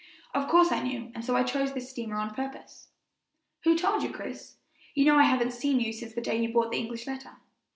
"Of course I knew, and so I chose this steamer on purpose." "Who told you, Chris? You know I haven't seen you since the day you brought the English letter."